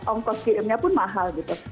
ongkos kirimnya pun mahal gitu